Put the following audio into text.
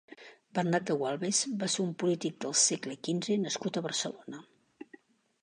Bernat de Gualbes va ser un polític del segle quinze nascut a Barcelona.